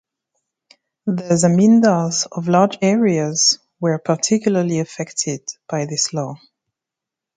The zamindars of large areas were particularly affected by this law.